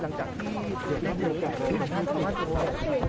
หลังจากที่สุดยอดเย็นหลังจากที่สุดยอดเย็น